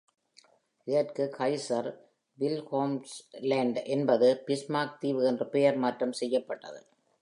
இதற்கு கைசர்-வில்ஹெல்ம்ஸ்லேண்ட் என்பது பிஸ்மார்க் தீவு என்று பெயர் மாற்றம் செய்யப்பட்டது.